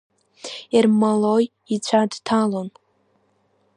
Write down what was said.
Ермолаи ицәа дҭалон.